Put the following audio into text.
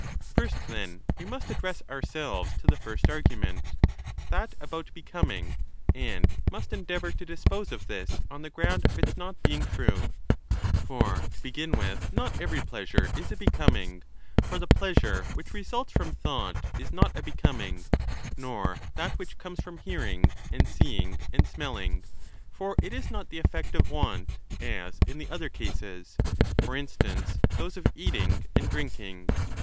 First, then, we must address ourselves to the first argu 5 ment,^ that about becoming, and must endeavour to dispose of this on the ground of its not being true. For, to begin with, not every pleasure is a becoming. For the pleasure which results from thought is not a becoming, nor that which comes from hearing and (seeing and) smelling. For it is not the effect of want, as in the other cases ; for 10 instance, those of eating and drinking.